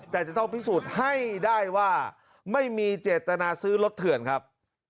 แต่จะต้องพิสูจน์ให้ได้ว่าไม่มีเจตนาซื้อรถเถื่อนครับ